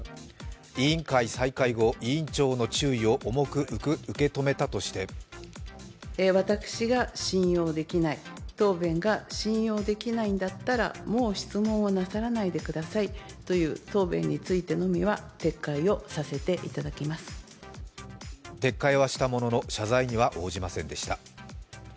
委員会再開後、委員長の注意を重く受け止めたとして撤回はしたものの謝罪には応じませんでした。